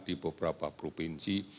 di beberapa provinsi